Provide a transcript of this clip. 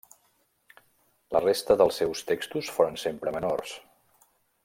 La resta dels seus textos foren sempre menors.